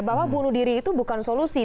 bahwa bunuh diri itu bukan solusi